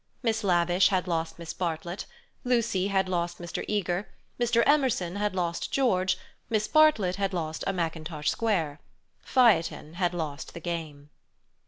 Miss Lavish had lost Miss Bartlett. Lucy had lost Mr. Eager. Mr. Emerson had lost George. Miss Bartlett had lost a mackintosh square. Phaethon had lost the game.